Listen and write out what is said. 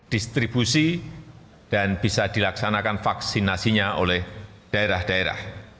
distribusi dan bisa dilaksanakan vaksinasinya oleh daerah daerah